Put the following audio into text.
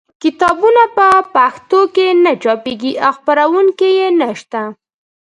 کتابونه په پښتو نه چاپېږي او خپرونکي یې نشته.